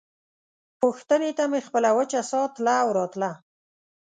پوښتنې ته مې خپله وچه ساه تله او راتله.